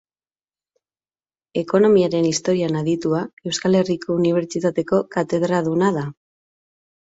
Ekonomiaren historian aditua, Euskal Herriko Unibertsitateko katedraduna da.